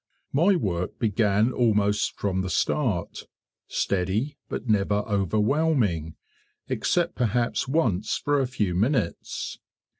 My work began almost from the start steady but never overwhelming, except perhaps once for a few minutes.